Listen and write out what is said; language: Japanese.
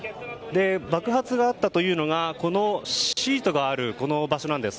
爆発があったというのがこのシートがある場所なんです。